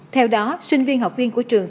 theo đó sinh viên học viên của trường